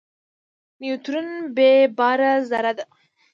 نیوترون بېباره ذره ده.